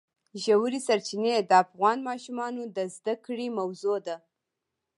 ژورې سرچینې د افغان ماشومانو د زده کړې موضوع ده.